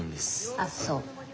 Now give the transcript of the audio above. あっそう。